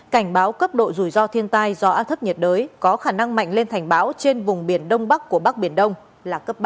cảnh báo cấp độ rủi ro thiên tai do áp thấp nhiệt đới có khả năng mạnh lên thành bão trên vùng biển đông bắc của bắc biển đông là cấp ba